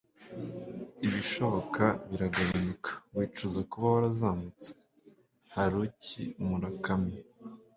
ibishoboka biragabanuka, wicuza kuba warazamutse. - haruki murakami